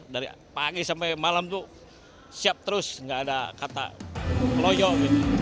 dari pagi sampai malam itu siap terus nggak ada kata loyok